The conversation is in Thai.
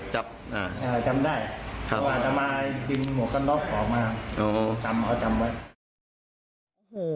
จำได้เดี๋ยวอาจจะมาจินหัวข้างล่อข่อมา